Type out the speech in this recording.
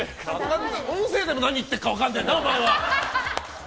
音声でも何言ってるか分からねえな、お前は。